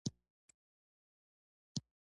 د افغان کرکټ ټیم د خپلو لوړو هدفونو لپاره جدي دی.